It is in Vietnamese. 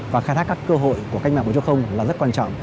và khai thác các cơ hội của cách mạng bốn là rất quan trọng